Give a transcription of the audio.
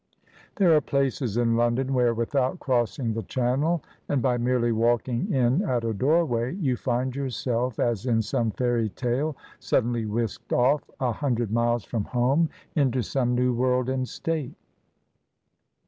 There are places in London where, without crossing the Channel, and by merely walking in at a doorway, you find yourself, as in some fairy tale, suddenly whisked off a hundred miles from home PRINCE Hassan's carpet. 187 into some new world and state.